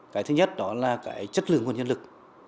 cái thứ nhất đó là cái chất lượng nguồn nhân lực